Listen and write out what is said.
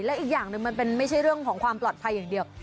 และอีกอย่างหนึ่งมันเป็นไม่ใช่เรื่องของความปลอดภัยอย่างเดียว